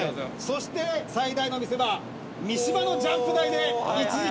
そして最大の見せ場三島のジャンプ台で一時停止。